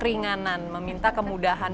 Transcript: meminta keinginan meminta kemudahan